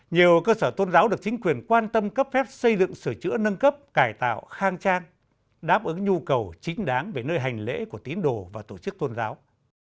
nhiều cơ sở tôn giáo được chính quyền quan tâm cấp phép xây dựng sửa chữa nâng cấp cải tạo khang trang đáp ứng nhu cầu chính đáng về nơi hành lễ của tín đồ và tổ chức tôn giáo